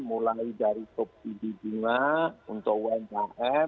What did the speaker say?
mulai dari top data